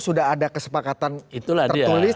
sudah ada kesepakatan tertulis